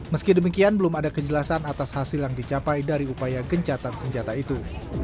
meski demikian belum ada kejelasan atas hasil yang dicapai dari upaya gencatan senjata itu